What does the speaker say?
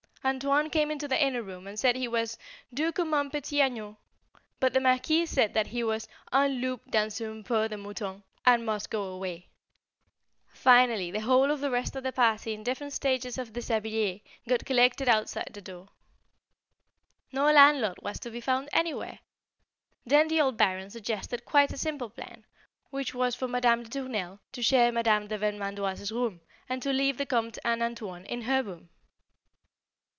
"Antoine" came into the inner room and said he was "Doux comme un petit agneau," but the Marquise said that he was "Un loup dans une peau de mouton," and must go away. Finally the whole of the rest of the party in different stages of déshabillé got collected outside the door. No landlord was to be found anywhere. Then the old Baron suggested quite a simple plan, which was for Madame de Tournelle to share Madame de Vermandoise's room, and to leave the Comte and "Antoine" in her room.